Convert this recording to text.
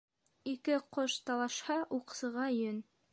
Ике ҡош талашһа, уҡсыға йөн.